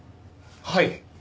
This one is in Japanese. はい。